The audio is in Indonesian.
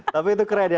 tapi itu keren ya